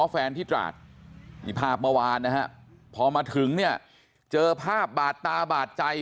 แฟนที่ตราดนี่ภาพเมื่อวานนะฮะพอมาถึงเนี่ยเจอภาพบาดตาบาดใจ